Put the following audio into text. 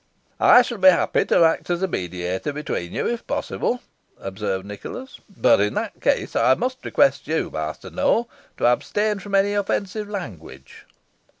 "I shall be happy to act as mediator between you, if possible," observed Nicholas; "but in that case I must request you, Master Nowell, to abstain from any offensive language."